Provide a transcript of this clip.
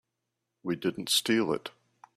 We didn't steal it.